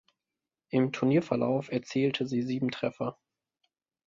Im Turnierverlauf erzielte sie sieben Treffer.